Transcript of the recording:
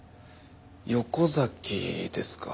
横崎ですか。